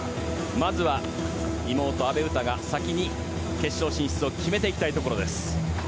まずは、妹・阿部詩が先に決勝進出を決めたいところ。